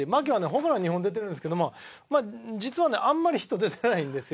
ホームラン２本出てるんですけども実はねあんまりヒット出てないんですよ。